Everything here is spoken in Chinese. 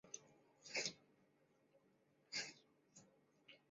他的名字将在伟大独立运动历史中永存。